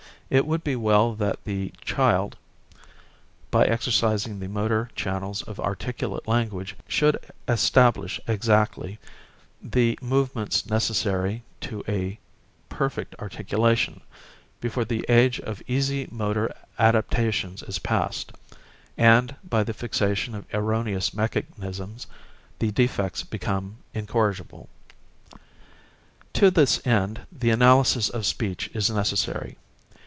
It would be well that the child, by exercising the motor channels of articulate language should establish exactly the movements necessary to a perfect articulation, before the age of easy motor adaptations is passed, and, by the fixation of erroneous mechanisms, the defects become incorrigible. To this end the analysis of speech is necessary.